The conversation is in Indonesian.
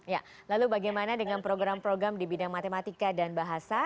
ya lalu bagaimana dengan program program di bidang matematika dan bahasa